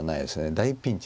大ピンチ。